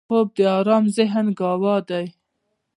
خوب د آرام ذهن ګواه دی